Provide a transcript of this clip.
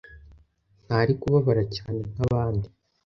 ntari kubabara cyane nkabandi